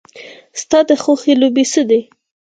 ستا د خوښې لوبې څه دي؟